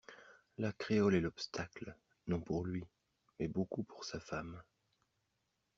La créole est l'obstacle, non pour lui, mais beaucoup pour sa femme.